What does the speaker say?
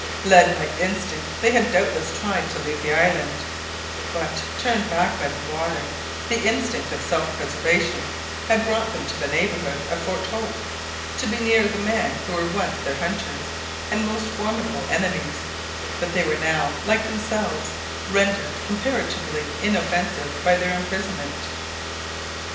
Led by instinct they had doubtless tried to leave the island, but, turned back by the water, the instinct of self preservation had brought them to the neighbourhood of Fort Hope, to be near the men who were once their hunters and most formidable enemies, but were now, like themselves, rendered comparatively inoffensive by their imprisonment.